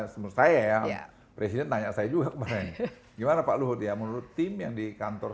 semut saya ya presiden tanya saya juga kemarin gimana pak luhut ya menurut tim yang di kantor